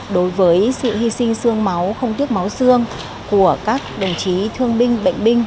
đối với sự hy sinh sương máu không tiếc máu xương của các đồng chí thương binh bệnh binh